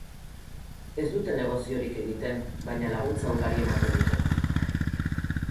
Ez dute negoziorik egiten baina laguntza ugari ematen dute.